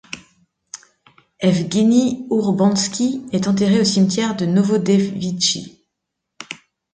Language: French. Evgueni Ourbanski est enterrée au cimetière de Novodevitchi.